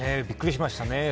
びっくりしましたね。